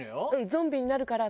「ゾンビになるから」。